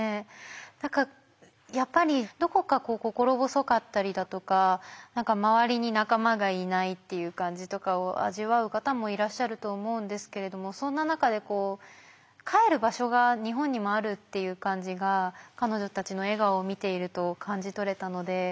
何かやっぱりどこか心細かったりだとか周りに仲間がいないっていう感じとかを味わう方もいらっしゃると思うんですけれどもそんな中でこう帰る場所が日本にもあるっていう感じが彼女たちの笑顔を見ていると感じ取れたので。